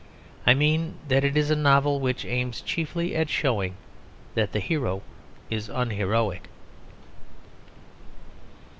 I mean that it is a novel which aims chiefly at showing that the hero is unheroic.